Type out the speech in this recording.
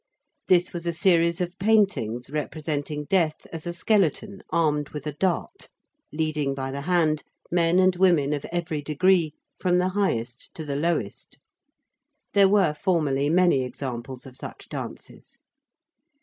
This was a series of paintings representing Death as a skeleton armed with a dart, leading by the hand men and women of every degree, from the highest to the lowest. There were formerly many examples of such dances.